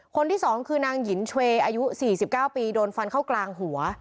คนที่สองคือนางหยินเฉวอายุสี่สิบเก้าปีโดนฟันเข้ากลางหัว